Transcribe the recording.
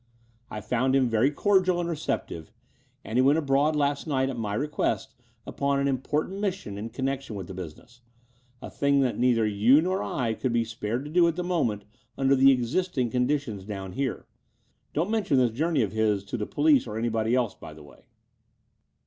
I found him very cordial and receptive; and he went abroad last night at my request upon an important mission in connection with the busi ness, a thing that neither you nor I could be spared to do at the moment under the existing conditions down here. Don't mention this jour ney of his to the police or anybody else, by the way."